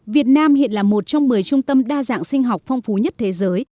việt nam hiện là một trong một mươi trung tâm đa dạng sinh học phong phú nhất thế giới